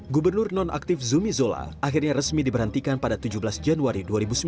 gubernur nonaktif zumi zola akhirnya resmi diberhentikan pada tujuh belas januari dua ribu sembilan belas